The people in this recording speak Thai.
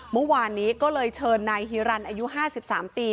เมื่อวานนี้ก็เลยเชิญนายฮีรันอายุ๕๓ปี